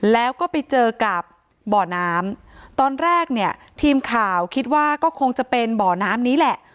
แล้วก็ไปเจอกับบ่อน้ำตอนแรกเนี่ยทีมข่าวคิดว่าก็คงจะเป็นบ่อน้ำนี้แหละ